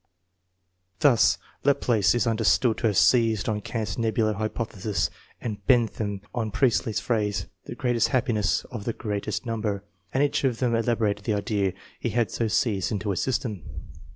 Thus, Laplace is understood to have seized on Kant's nebular hypothesis and Bentham on Priestley's phi'ase, " the greatest happiness of the greatest number," and each of them elaborated the idea he had so seized, into a system.